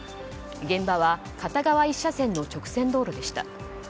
現場は片側１車線の直線道路でした。